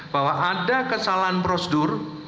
bahwa ada kesalahan prosedur